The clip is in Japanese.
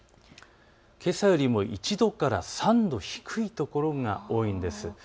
けさよりも１度から３度、低いところが多いんです。